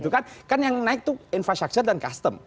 kan yang naik tuh infrastruktur dan custom